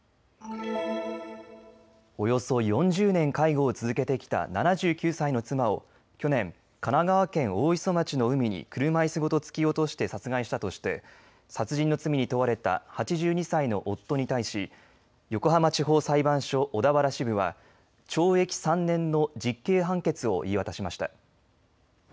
およそ４０年、介護を続けてきた７９歳の妻を去年、神奈川県大磯町の海に車いすごと突き落として殺害したとして殺人の罪に問われた８２歳の夫に対し横浜地方裁判所小田原支部は懲役３年の実刑判決を言い渡しました。